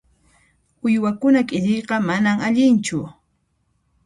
Uywakuna k'iriyqa manan allinchu.